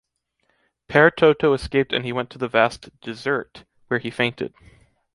Pere Toto escaped and he went to the vast dessert, where he fainted.